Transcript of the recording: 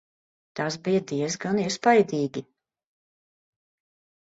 Tas bija diezgan iespaidīgi.